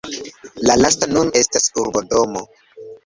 La lasta nun estas urbodomo.